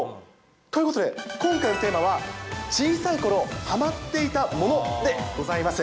ということで今回のテーマは、小さいころはまっていたものでございます。